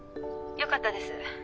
よかったです。